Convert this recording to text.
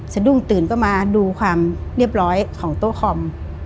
สะดุ้งตื่นก็มาดูความเรียบร้อยของโต๊ะคอม